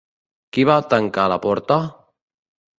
Qui va tancar la porta?